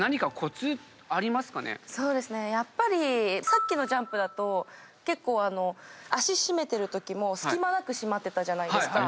さっきのジャンプだと結構脚締めてるときも隙間なく締まってたじゃないですか。